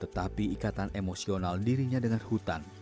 tetapi ikatan emosional dirinya dengan hutan